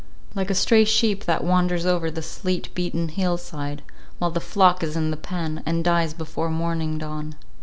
Like a stray sheep that wanders over the sleet beaten hill side, while the flock is in the pen, and dies before morning dawn.